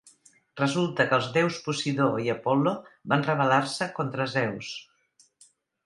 Resulta que els déus Posidó i Apol·lo van rebel·lar-se contra Zeus.